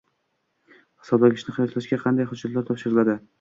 Hisoblagichni qiyoslashga qanday hujjatlar topshiriladi?